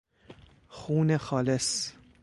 خون خالص